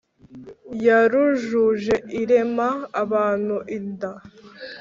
yarujuje irema abantu inda.